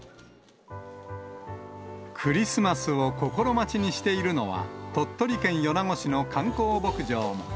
クリスマスを心待ちにしているのは、鳥取県米子市の観光牧場も。